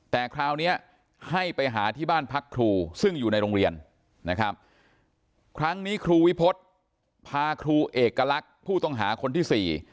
แต่คราวนี้ให้ไปหาที่บ้านพักครูซึ่งอยู่ในโรงเรียนนะครับครั้งนี้ครูวิพฤษพาครูเอกลักษณ์ผู้ต้องหาคนที่สี่